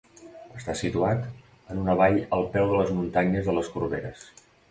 Està situat en una vall al peu de les muntanyes de les Corberes.